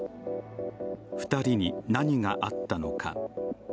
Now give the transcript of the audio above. ２人に何があったのか。